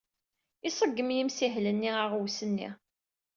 Iṣeggem yimsihel-nni aɣwes-nni.